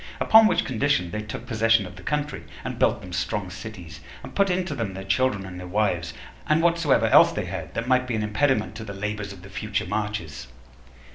Upon which condition they took possession of the country, and built them strong cities, and put into them their children and their wives, and whatsoever else they had that might be an impediment to the labors of their future marches.